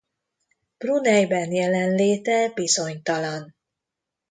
Bruneiben jelenléte bizonytalan.